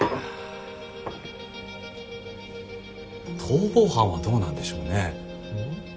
逃亡犯はどうなんでしょうね。